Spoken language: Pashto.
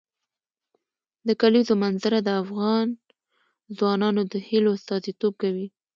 د کلیزو منظره د افغان ځوانانو د هیلو استازیتوب کوي.